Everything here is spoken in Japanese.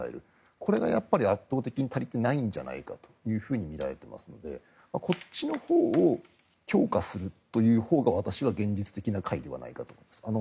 これが圧倒的に足りていないとみられていますのでこっちのほうを強化するというほうが私は現実的な解ではないかと思います。